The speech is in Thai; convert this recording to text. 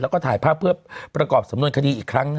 แล้วก็ถ่ายภาพเพื่อประกอบสำนวนคดีอีกครั้ง